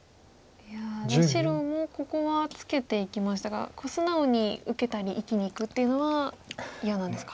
いや白もここはツケていきましたが素直に受けたり生きにいくっていうのは嫌なんですか。